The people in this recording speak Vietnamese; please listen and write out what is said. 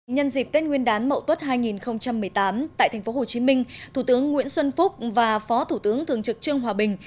nhân dịp tết nguyên đán mậu tuất hai nghìn một mươi tám tại tp hcm thủ tướng nguyễn xuân phúc và phó thủ tướng thường trực trương hòa bình